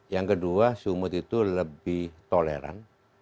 yang kedua sumut itu lebih toleran